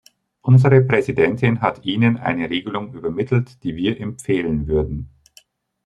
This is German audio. Unsere Präsidentin hat Ihnen eine Regelung übermittelt, die wir empfehlen würden.